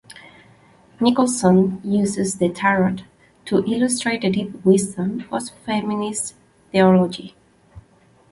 Nicholson uses the Tarot to illustrate the deep wisdom of feminist theology.